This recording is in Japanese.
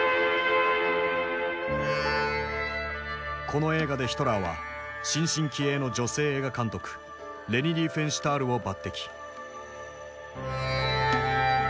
この映画でヒトラーは新進気鋭の女性映画監督レニ・リーフェンシュタールを抜擢。